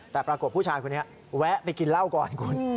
แต่ปรากฏผู้ชายคนนี้แวะไปกินเหล้าก่อนคุณ